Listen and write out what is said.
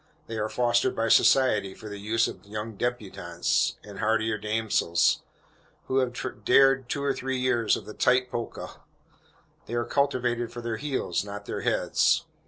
They are fostered by society for the use of young debutantes, and hardier damsels, who have dared two or three years of the "tight" polka. They are cultivated for their heels, not their heads.